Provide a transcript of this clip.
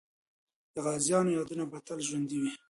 د غازیانو یادونه به تل ژوندۍ وي.